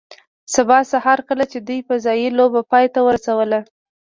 سبا سهار کله چې دوی فضايي لوبه پای ته ورسوله